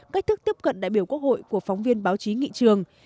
cách thức tiếp cận đại biểu quốc hội của phóng viên báo chí nghị trường